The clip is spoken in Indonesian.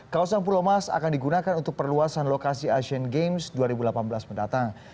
kawasan pulau mas akan digunakan untuk perluasan lokasi asian games dua ribu delapan belas mendatang